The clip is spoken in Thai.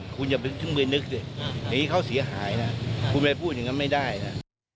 ผมยังไม่คุณอย่าเป็นช่วงมือนึกสิเดี๋ยวนี้เขาเสียหายนะคุณไปพูดอย่างนั้นไม่ได้นะ